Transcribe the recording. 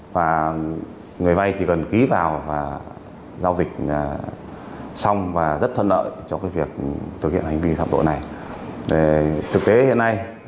và người vai chỉ cần ký vào và giao dịch xong và rất thuận lợi cho việc thực hiện hành vi tham quan